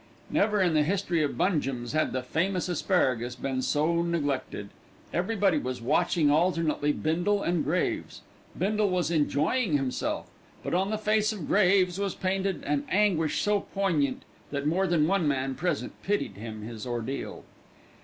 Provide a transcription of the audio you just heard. Never in the history of Bungem's had the famous asparagus been so neglected. Everybody was watching alternately Bindle and Graves. Bindle was enjoying himself; but on the face of Graves was painted an anguish so poignant that more than one man present pitied him his ordeal.